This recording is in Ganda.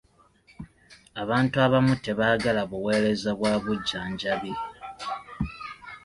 Abantu abamu tebaagala buweereza bwa bujjanjabi.